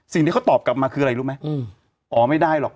สิ่งที่เขาตอบกลับมาคืออะไรรู้ไหมอ๋อไม่ได้หรอก